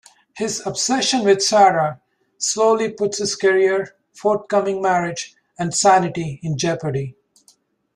His obsession with Sarah slowly puts his career, forthcoming marriage, and sanity in jeopardy.